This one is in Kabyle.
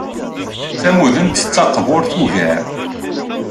D tamudemt taqburt ugar.